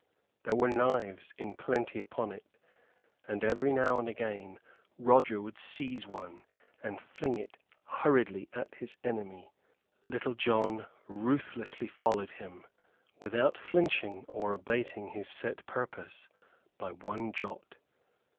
There were knives in plenty upon it; and every now and again Roger would seize one and fling it hurriedly at his enemy. Little John ruthlessly followed him, without flinching or abating his set purpose by one jot.